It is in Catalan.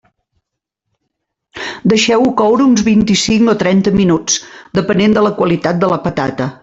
Deixeu-ho coure uns vint-i-cinc o trenta minuts, depenent de la qualitat de la patata.